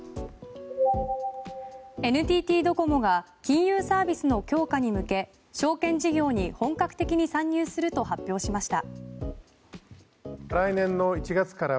ＮＴＴドコモが金融サービスの強化に向け証券事業に本格的に参入すると発表しました。